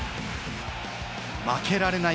負けられない